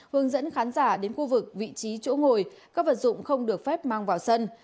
hướng dẫn khán giả đến khu vực vị trí chỗ ngồi các vật dụng không được phép mang vào sân